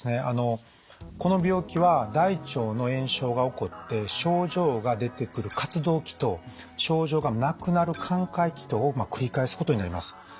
あのこの病気は大腸の炎症が起こって症状が出てくる活動期と症状がなくなる寛解期とを繰り返すことになります。